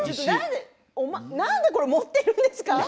なんで持っているんですか。